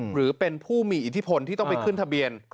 หรือเป็นผู้มีอิทธิพลที่ต้องไปขึ้นทะเบียน